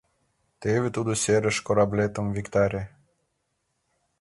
Теве тудо серыш «кораблетым» виктаре...